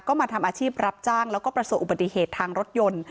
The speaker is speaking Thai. ก็มาทำอาชีพรับจ้างแล้วก็ประสบอุบัติเหตุทางรถยนต์